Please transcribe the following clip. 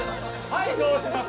はいどうします？